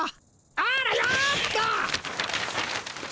あらよっと！